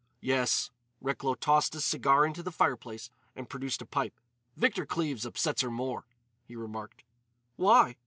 "Yes." Recklow tossed his cigar into the fireplace and produced a pipe. "Victor Cleves upsets her more," he remarked. "Why?"